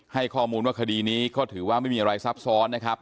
ให้ข้อมูลว่าคดีนี้ก็ถือว่าไม่มีอะไรซับซ้อนนะครับ